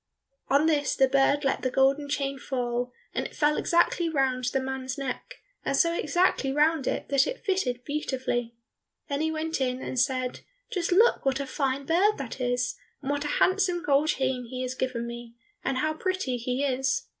On this the bird let the golden chain fall, and it fell exactly round the man's neck, and so exactly round it that it fitted beautifully. Then he went in and said, "Just look what a fine bird that is, and what a handsome gold chain he has given me, and how pretty he is!"